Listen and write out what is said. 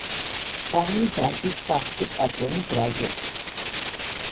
ძაღლი დარბის სახლში პატრონი ბრაზობს